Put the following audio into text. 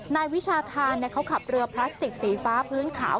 นายวิชาธานเขาขับเรือพลาสติกสีฟ้าพื้นขาว